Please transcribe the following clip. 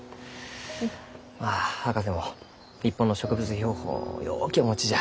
まあ博士も日本の植物標本をようけお持ちじゃ。